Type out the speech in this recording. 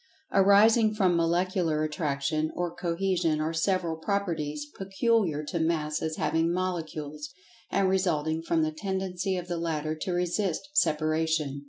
Arising from Molecular Attraction, or Cohesion, are several "Properties" peculiar to Masses having Molecules, and resulting from the tendency of the latter to resist separation.